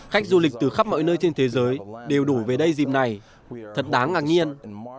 khách du lịch từ khắp mọi nơi trên thế giới đều đủ về đây dịp này thật đáng ngạc nhiên